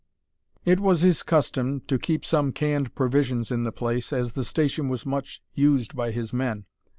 It was his custom to keep some canned provisions in the place, as the station was much used by his men.